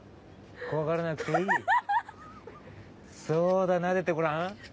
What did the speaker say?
そうだなでてごらん。